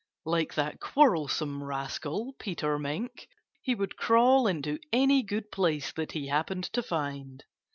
Like that quarrelsome rascal, Peter Mink, he would crawl into any good place that he happened to find.